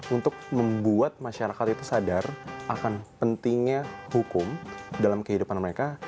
untuk membuat masyarakat itu sadar akan pentingnya hukum dalam kehidupan mereka